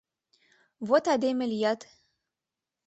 Вот айдеме лият!